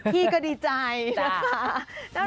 พี่ก็ดีใจนะคะ